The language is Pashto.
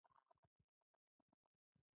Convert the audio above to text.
ویده ذهن ساه اخلي